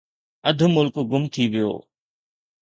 اڌ ملڪ گم ٿي ويو.